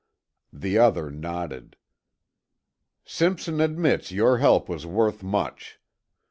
The other nodded. "Simpson admits your help was worth much.